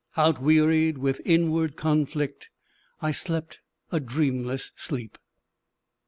Outwearied with inward conflict, I slept a dreamless sleep.